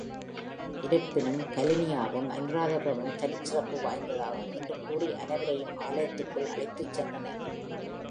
இருப்பினும் கலனியாவும், அனுராதபுரமும் தனிச் சிறப்பு வாய்ந்ததாகும்! என்று கூறி அனைவரையும் ஆலயத்திற்குள் அழைத்துச் சென்றார்.